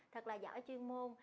thật là giỏi chuyên môn